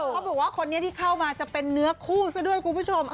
เขาบอกว่าคนนี้ที่เข้ามาจะเป็นเนื้อคู่ซะด้วยคุณผู้ชม